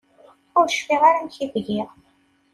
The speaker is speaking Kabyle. Ur cfiɣ ara amek i t-giɣ.